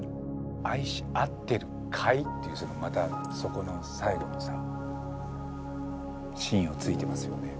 「愛し合ってるかい？」っていうまたそこの最後のさ真意を突いてますよね